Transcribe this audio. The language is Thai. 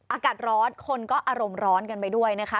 อากาศร้อนคนก็อารมณ์ร้อนกันไปด้วยนะคะ